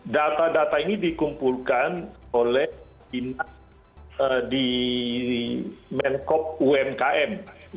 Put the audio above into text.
data data ini dikumpulkan oleh dinas di menkop umkm